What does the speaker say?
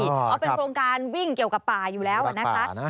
เขาเป็นโครงการวิ่งเกี่ยวกับป่าอยู่แล้วนะคะ